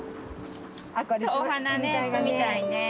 ・お花ね摘みたいね。